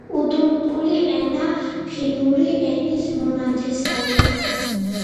უდმურტული ენა ფინური ენის მონათესავეა.